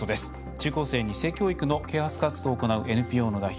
中高生に性教育の啓発活動を行うＮＰＯの代表